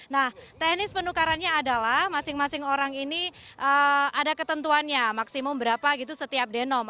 nah teknis penukarannya adalah masing masing orang ini ada ketentuannya maksimum berapa gitu setiap denom